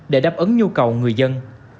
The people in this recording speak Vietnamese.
để đáp ứng nhu cầu người dân